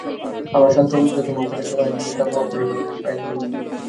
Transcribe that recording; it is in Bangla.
আমার শান্ত অবিচলিত মুখ দেখে সকলেই নির্বিকার মহাপুরুষ বলে আমার পায়ের ধুলো নিলে।